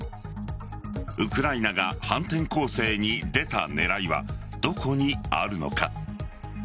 ウクライナが反転攻勢に出た狙いはどこにあるのか。